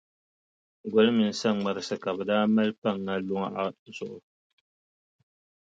Goli mini saŋmarisi ka bɛ daa maali pa ŋa luɣa zuɣu.